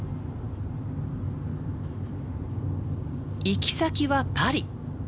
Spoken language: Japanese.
行き先はパリ。